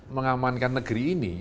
mengamankan negeri ini